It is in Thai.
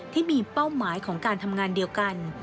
ที่มีเป้าหมายของการทำงานเดียวกัน